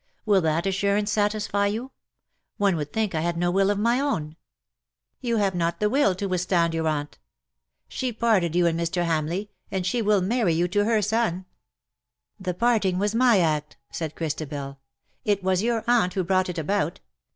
Will that assurance satisfy you? One would think I had no will of my own.^' 104 " You have not the will to withstand your aunt. She parted you and Mr. Hamleigh; and she will marry you to her son/^ ^' The parting was my act/' said Christabel. " It was your aunt who brought it about.